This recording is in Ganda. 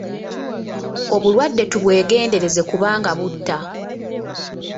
Obulwadde tubwegendereze kubanga butta.